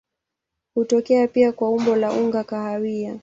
Hutokea pia kwa umbo la unga kahawia.